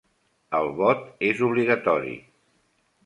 El vot és obligatori.